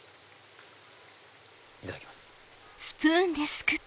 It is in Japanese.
いただきます。